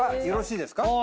よろしいですか？